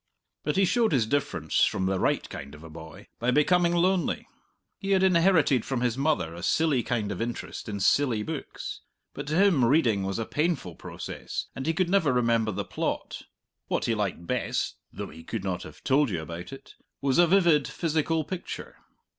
But he showed his difference from the right kind of a boy by becoming lonely. He had inherited from his mother a silly kind of interest in silly books, but to him reading was a painful process, and he could never remember the plot. What he liked best (though he could not have told you about it) was a vivid physical picture.